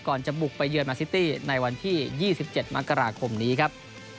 จะบุกไปเยือนมาซิตี้ในวันที่๒๗มกราคมนี้ครับ